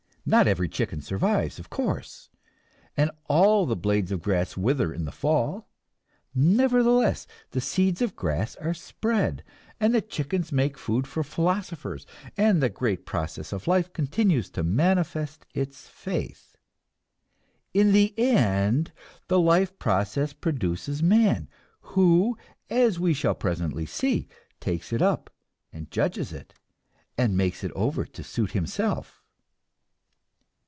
Not every chicken survives, of course, and all the blades of grass wither in the fall; nevertheless, the seeds of grass are spread, and chickens make food for philosophers, and the great process of life continues to manifest its faith. In the end the life process produces man, who, as we shall presently see, takes it up, and judges it, and makes it over to suit himself.